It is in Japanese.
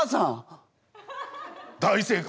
大正解！